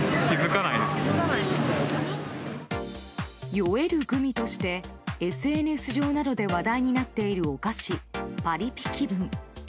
酔えるグミとしてＳＮＳ上などで話題になっているお菓子パリピ気分。